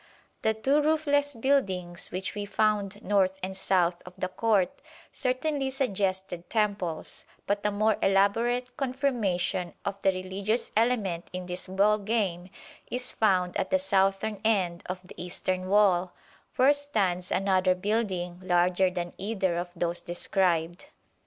The two roofless buildings which we found north and south of the court certainly suggested temples, but a more elaborate confirmation of the religious element in this ball game is found at the southern end of the eastern wall, where stands another building larger than either of those described.